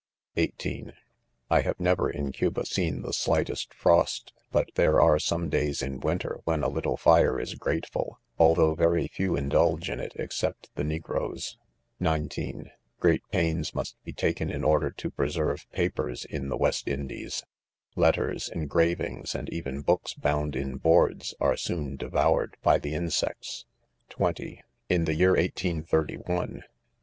(18) I have never, in Cuba s seen the slightest frost 5 but there are some days in winter, when a little fire is grateful, although very few indulge in it except the ne groes, (19) Great pains must he taker, in order to preserve papers in the West Indies; letters, engravings, and even hooks bound in hoards, are soon devoured "by the insects, (JO) In the year 1831, (I